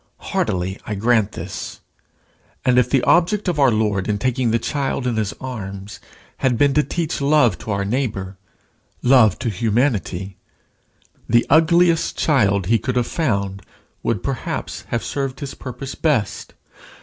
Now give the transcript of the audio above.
Heartily I grant this. And if the object of our Lord in taking the child in his arms had been to teach love to our neighbour, love to humanity, the ugliest child he could have found, would, perhaps, have served his purpose best.